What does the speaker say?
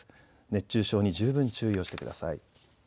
熱中症に十分注意をしてください。